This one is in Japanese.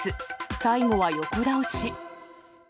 最後は横倒し。